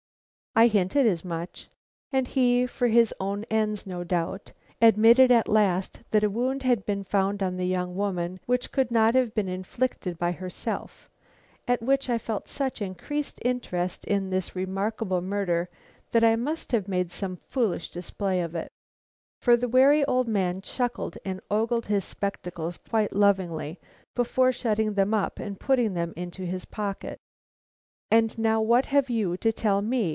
I hinted as much, and he, for his own ends no doubt, admitted at last that a wound had been found on the young woman which could not have been inflicted by herself; at which I felt such increased interest in this remarkable murder that I must have made some foolish display of it, for the wary old gentleman chuckled and ogled his spectacles quite lovingly before shutting them up and putting them into his pocket. "And now what have you to tell me?"